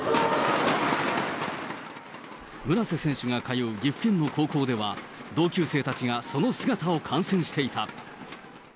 村瀬選手が通う岐阜県の高校では、同級生たちが、その姿を観戦していた。